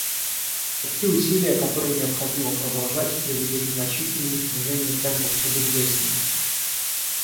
Такие усилия, которые необходимо продолжать, привели к значительному снижению темпов обезлесения.